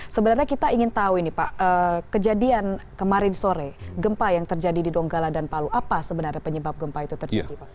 sebenarnya kita ingin tahu ini pak kejadian kemarin sore gempa yang terjadi di donggala dan palu apa sebenarnya penyebab gempa itu terjadi pak